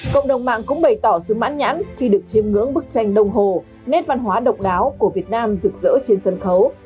cộng đồng mạng cũng bày tỏ sự mãn nhãn khi được chiêm ngưỡng bức tranh đồng hồ nét văn hóa độc đáo của việt nam rực rỡ trên sân khấu